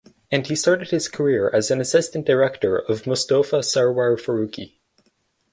And he started his career as an assistant director of Mostofa Sarwar Farooki.